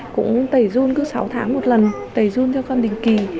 cũng tẩy run cứ sáu tháng một lần tẩy run theo con đỉnh kỳ